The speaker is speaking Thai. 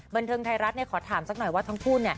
บันเทิงไทยรัฐขอถามสักหน่อยว่าทั้งคู่